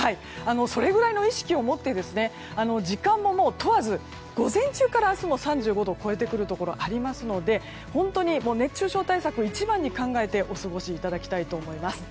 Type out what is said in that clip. それぐらいの意識を持って時間も問わず午前中から明日も３５度を超えてくるところがありますので本当に熱中症対策を一番に考えてお過ごしいただきたいと思います。